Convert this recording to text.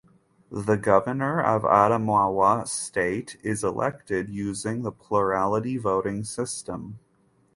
The Governor of Adamawa State is elected using the plurality voting system.